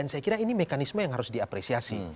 dan saya kira ini mekanisme yang harus diapresiasi